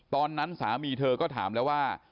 ตอนนั้นสามีเธอก็ถามแล้วว่า